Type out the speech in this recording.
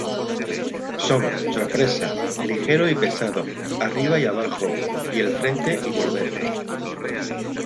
Son "Sorpresa", "ligero y pesado," "arriba y abajo" "y el Frente" y volver".